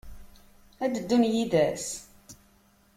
Ad d-ddun yid-s?